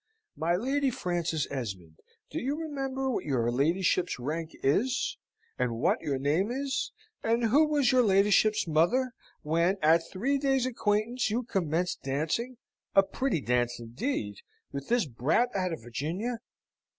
My Lady Frances Esmond, do you remember what your ladyship's rank is, and what your name is, and who was your ladyship's mother, when, at three days' acquaintance, you commence dancing a pretty dance, indeed with this brat out of Virginia?"